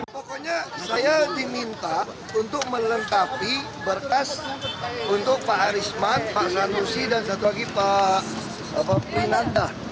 pokoknya saya diminta untuk melengkapi berkas untuk pak arisman pak sanusi dan satu lagi pak winanda